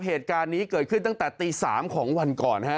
เหตุการณ์นี้เกิดขึ้นตั้งแต่ตี๓ของวันก่อนฮะ